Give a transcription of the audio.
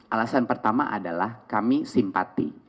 alasan pertama adalah kami simpati